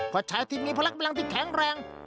พอใช้ทีมนี้พลักพลังพลิกแข็งแรง